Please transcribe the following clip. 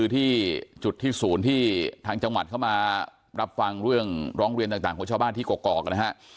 ที่จุดที่ศูนย์ที่ทางจังหวัดเข้ามารับฟังเรื่องร้องเรียนต่างของชาวบ้านที่กอกนะฮะ